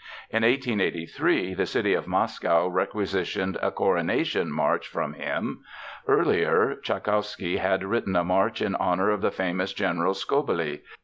In 1883 the city of Moscow requisitioned a Coronation March from him. Earlier, Tschaikowsky had written a march in honor of the famous General Skobelev.